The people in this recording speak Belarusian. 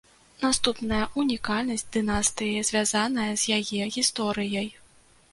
Наступная унікальнасць дынастыі звязаная з яе гісторыяй.